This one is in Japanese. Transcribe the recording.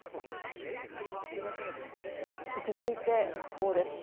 続いて、訃報です。